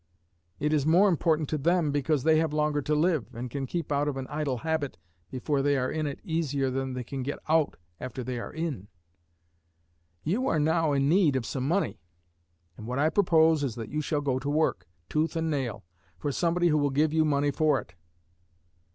It is more important to them, because they have longer to live, and can keep out of an idle habit before they are in it easier than they can get out after they are in. You are now in need of some money; and what I propose is that you shall go to work, 'tooth and nail,' for somebody who will give you money for it.